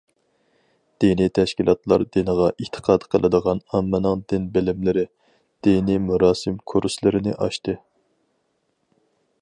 دىنىي تەشكىلاتلار دىنغا ئېتىقاد قىلىدىغان ئاممىنىڭ دىن بىلىملىرى، دىنىي مۇراسىم كۇرسلىرىنى ئاچتى.